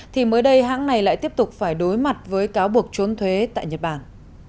thì mới đây hãng này lại tiếp tục phải đối mặt với cáo buộc trốn thuế tại nhật bản